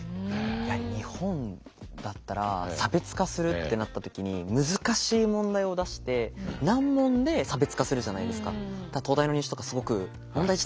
いや日本だったら差別化するってなった時に難しい問題を出して難問で差別化するじゃないですか。